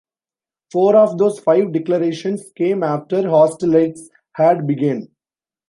Four of those five declarations came after hostilities had begun.